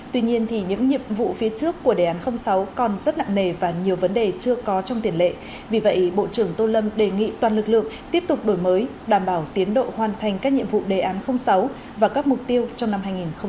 tuy nhiên những nhiệm vụ phía trước của đề án sáu còn rất nặng nề và nhiều vấn đề chưa có trong tiền lệ vì vậy bộ trưởng tô lâm đề nghị toàn lực lượng tiếp tục đổi mới đảm bảo tiến độ hoàn thành các nhiệm vụ đề án sáu và các mục tiêu trong năm hai nghìn hai mươi